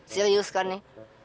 serius kan nih